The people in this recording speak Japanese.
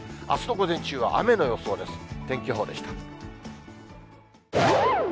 あすの午前中は雨の予想です。